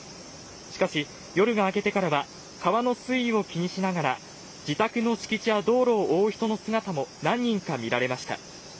しかし、夜が明けてからは川の水位を気にしながら自宅の敷地や道路を覆う人の姿も何か見られました。